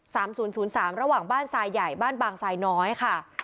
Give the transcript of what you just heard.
ศูนย์ศูนย์สามระหว่างบ้านทรายใหญ่บ้านบางทรายน้อยค่ะ